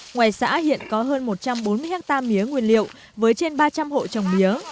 ngoài xã hiện có hơn một trăm bốn mươi hectare mía nguyên liệu với trên ba trăm linh hộ trồng mía